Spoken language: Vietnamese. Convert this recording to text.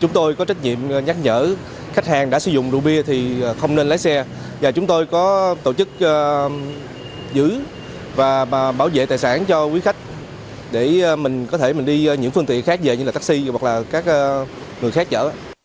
chúng tôi có trách nhiệm nhắc nhở khách hàng đã sử dụng rượu bia thì không nên lái xe và chúng tôi có tổ chức giữ và bảo vệ tài sản cho quý khách để mình có thể mình đi những phương tiện khác về như là taxi hoặc là các người khác chở